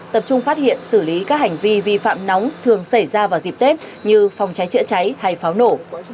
tập trung phát hiện xử lý các hành vi vi phạm nóng thường xảy ra vào dịp tết như phòng cháy chữa cháy hay pháo nổ